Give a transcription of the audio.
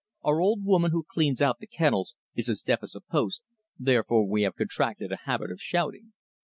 Our old woman who cleans out the kennels is as deaf as a post, therefore we have contracted a habit of shouting."